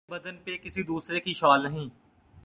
مرے بدن پہ کسی دوسرے کی شال نہیں